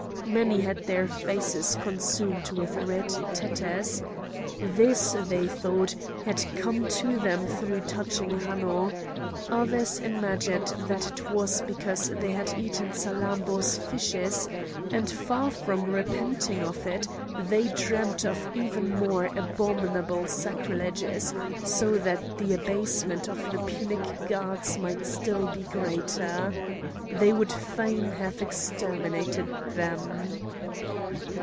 Many had their faces consumed with red tetters; this, they thought, had come to them through touching Hanno. Others imagined that it was because they had eaten Salammbô's fishes, and far from repenting of it, they dreamed of even more abominable sacrileges, so that the abasement of the Punic Gods might be still greater. They would fain have exterminated them.